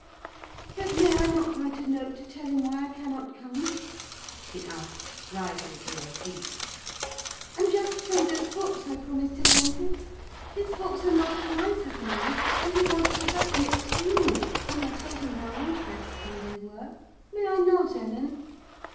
"But may I not write a note to tell him why I cannot come?" she asked, rising to her feet. "And just send those books I promised to lend him? His books are not as nice as mine, and he wanted to have them extremely, when I told him how interesting they were. May I not, Ellen?"